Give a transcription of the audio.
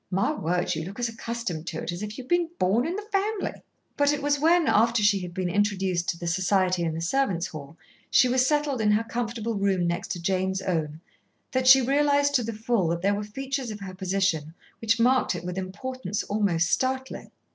"My word, you look as accustomed to it as if you had been born in the family." But it was when, after she had been introduced to the society in the servants' hall, she was settled in her comfortable room next to Jane's own that she realised to the full that there were features of her position which marked it with importance almost startling.